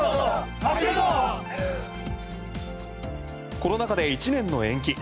コロナ禍で１年の延期。